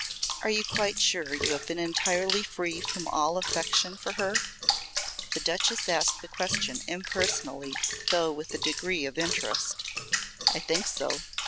"Are you quite sure you have been entirely free from all affection for her?" The Duchess asked the question impersonally though with a degree of interest. "I think so.